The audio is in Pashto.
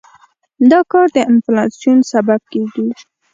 دا کار د انفلاسیون سبب کېږي.